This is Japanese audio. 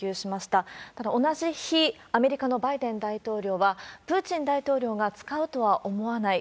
ただ、同じ日、アメリカのバイデン大統領は、プーチン大統領が使うとは思わない。